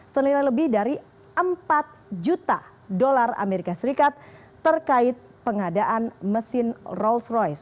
senilai lebih dari empat juta dolar amerika serikat terkait pengadaan mesin rolls royce